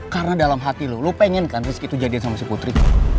karena dalam hati lo lo pengen kan rizky tuh jadiin sama si putri